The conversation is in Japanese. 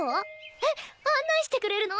えっ案内してくれるの？